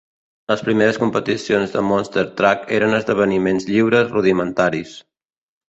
Les primeres competicions de Monster Truck eren esdeveniments lliures rudimentaris.